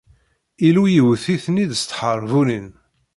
Illu iwt-iten-id s tḥerbunin.